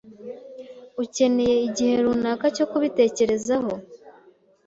Ukeneye igihe runaka cyo kubitekerezaho?